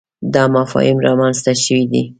دا مفاهیم رامنځته شوي دي.